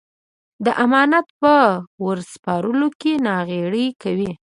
د امانت په ور سپارلو کې ناغېړي کوي.